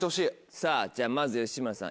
さぁじゃあまず吉村さん